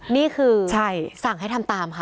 นี่คือใช่สั่งให้ทำตามค่ะ